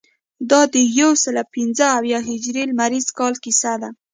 دا د یوسلو پنځه اویا هجري لمریز کال کیسه ده.